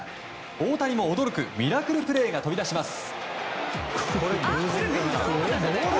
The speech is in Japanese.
大谷も驚くミラクルプレーが飛び出します。